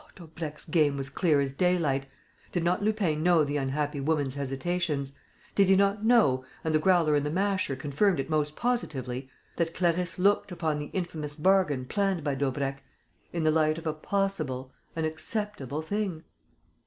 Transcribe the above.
Oh, Daubrecq's game was clear as daylight! Did not Lupin know the unhappy woman's hesitations? Did he not know and the Growler and the Masher confirmed it most positively that Clarisse looked upon the infamous bargain planned by Daubrecq in the light of a possible, an acceptable thing?